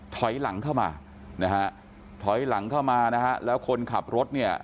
ถอยหลังเข้ามานะฮะถอยหลังเข้ามานะฮะแล้วคนขับรถเนี่ย